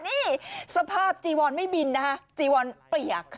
นี่สภาพจีวอนไม่บินนะคะจีวอนเปียก